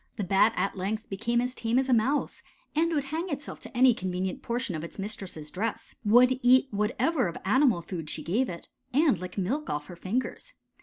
The Bat at length became as tame as a Mouse and would hang itself to any convenient portion of its mistress' dress; would eat whatever of animal food she gave it, and lick milk off her fingers.